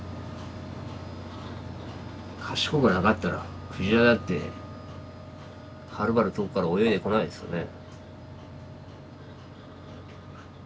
賢くなかったら鯨だってはるばる遠くから泳いでこないですよね。